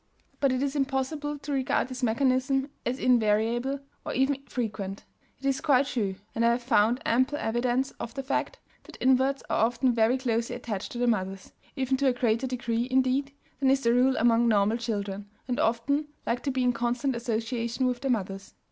But it is impossible to regard this mechanism as invariable or even frequent. It is quite true, and I have found ample evidence of the fact, that inverts are often very closely attached to their mothers, even to a greater degree, indeed, than is the rule among normal children, and often like to be in constant association with their mothers.